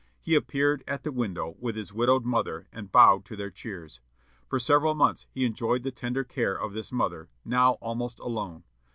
He appeared at the window with his widowed mother, and bowed to their cheers. For several months he enjoyed the tender care of this mother, now almost alone.